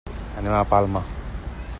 Anem a Palma.